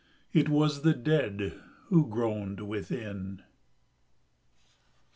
It was the dead who groaned within.